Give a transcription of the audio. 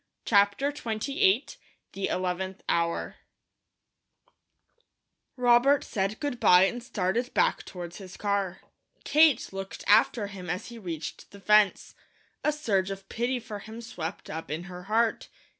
CHAPTER XXVIII THE ELEVENTH HOUR ROBERT said good bye and started back toward his car. Kate looked after him as he reached the fence. A surge of pity for him swept up in her heart.